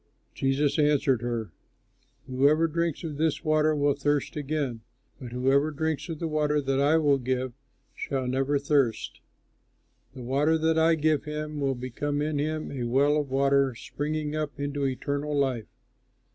Jesus answered her, "Whoever drinks of this water will thirst again; but whoever drinks of the water that I will give shall never thirst. The water that I give him will become in him a well of water springing up into eternal life."